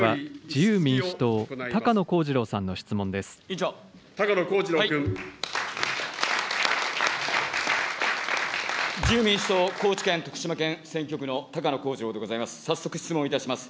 自由民主党高知県、徳島県選挙区の高野光二郎でございます。